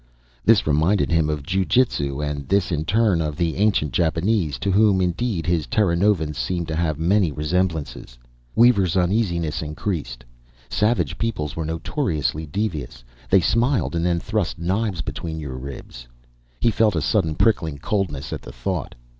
This reminded him of ju jitsu, and this in turn of the ancient Japanese to whom, indeed, his Terranovans seemed to have many resemblances. Weaver's uneasiness increased. Savage peoples were notoriously devious they smiled and then thrust knives between your ribs. He felt a sudden prickling coldness at the thought.